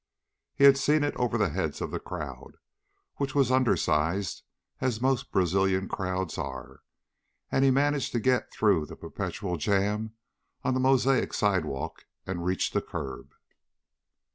He'd seen it over the heads of the crowd, which was undersized, as most Brazilian crowds are, and he managed to get through the perpetual jam on the mosaic sidewalk and reach the curb.